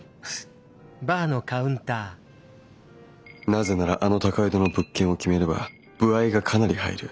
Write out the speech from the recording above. なぜならあの高井戸の物件を決めれば歩合がかなり入る。